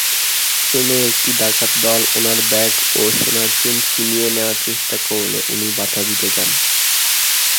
ট্রেনে একটি ডাকাত দল ওনার ব্যাগ ও সোনার চেন ছিনিয়ে নেওয়ার চেষ্টা করলে উনি বাঁধা দিতে যান।